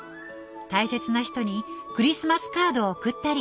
大切な人にクリスマスカードを送ったり。